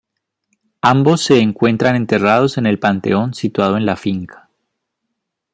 Ambos se encuentran enterrados en el panteón situado en la finca.